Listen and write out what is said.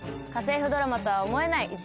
「家政婦ドラマとは思えない